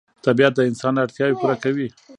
طبیعت د انسان اړتیاوې پوره کوي